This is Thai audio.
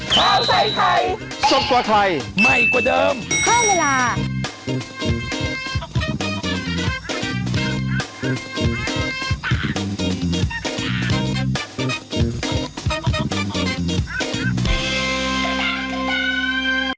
โอ้มันวี่เลยอ่ะอันนี้ไม่ใช่นะอันนี้คนละเหตุการณ์นะคือหน้าก่อนวันที่สิบเก้ามิถุนา